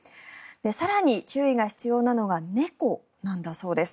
更に、注意が必要なのが猫なんだそうです。